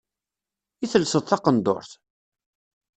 I telseḍ taqendurt?